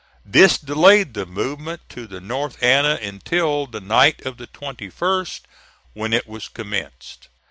This delayed the movement to the North Anna until the night of the 21st, when it was commenced.